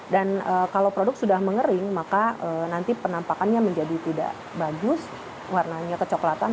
dan kalau produk sudah mengering maka nanti penampakannya menjadi tidak bagus warnanya kecoklatan